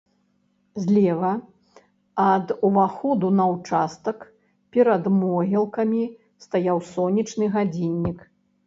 Злева ад уваходу на ўчастак, перад могілкамі, стаяў сонечны гадзіннік.